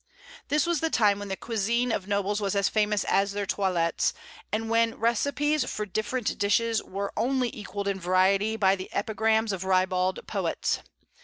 This was the time when the cuisine of nobles was as famous as their toilets, and when recipes for different dishes were only equalled in variety by the epigrams of ribald poets.